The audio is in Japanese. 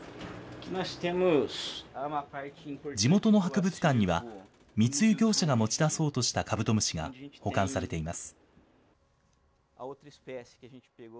地元の博物館には密輸業者が持ち出そうとしたカブトムシが保管されています。